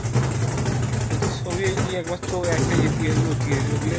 যার ফলে দেশে খাদ্য চাহিদা পূরণ করা সম্ভব হচ্ছে।